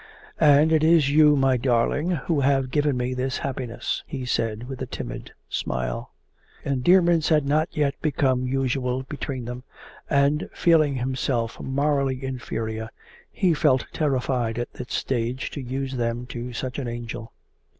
And it is you, my darling, who have given me this happiness,' he said with a timid smile. Endearments had not yet become usual between them, and feeling himself morally inferior he felt terrified at this stage to use them to such an angel.